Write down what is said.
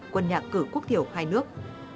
quân nhạc cử quốc thiểu hai nước